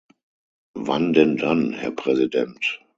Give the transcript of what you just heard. Wann denn dann, Herr Präsident?